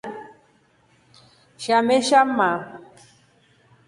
Shamesha mma.